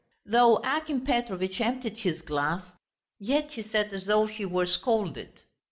Though Akim Petrovitch emptied his glass, yet he sat as though he were scalded.